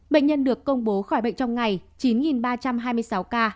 bệnh nhân được công bố khỏi bệnh trong ngày chín ba trăm hai mươi ca nhiễm